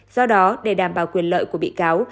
do đó để đảm bảo quyền lợi của bị cáo